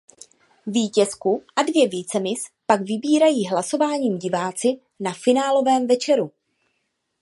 Vítězku a dvě vicemiss pak vybírají hlasováním diváci na finálovém večeru.